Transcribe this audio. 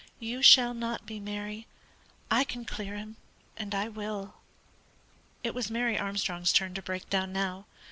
"You shall not be, Mary. I can clear him, and I will." It was Mary Armstrong's turn to break down now.